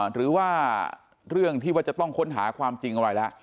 หรือว่าเรื่องที่ว่าจะต้องค้นหาความจริงอะไรแล้ว